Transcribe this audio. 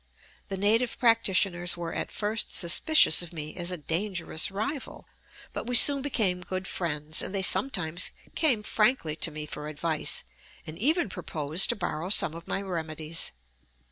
The native practitioners were at first suspicious of me as a dangerous rival, but we soon became good friends, and they sometimes came frankly to me for advice and even proposed to borrow some of my remedies.